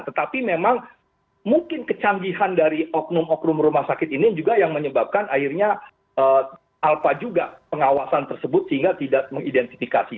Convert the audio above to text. tetapi memang mungkin kecanggihan dari oknum oknum rumah sakit ini juga yang menyebabkan akhirnya alpa juga pengawasan tersebut sehingga tidak mengidentifikasi